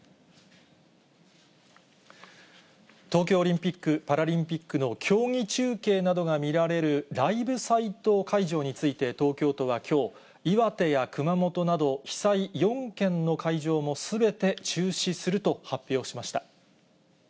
東京オリンピック・パラリンピックの競技中継などが見られるライブサイト会場について、東京都はきょう、岩手や熊本など被災４県の会場も、すべて中止すると発表しました。